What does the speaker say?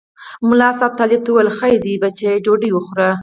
ملا صاحب طالب ته وویل خیر دی بچیه ډوډۍ وخوره.